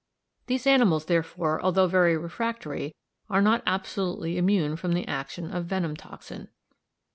These animals, therefore, although very refractory, are not absolutely immune from the action of venom toxin.